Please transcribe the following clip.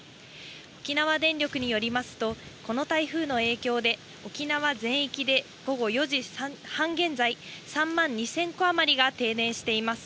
沖縄電力によりますと、この台風の影響で、沖縄全域で午後４時半現在、３万２０００戸余りが停電しています。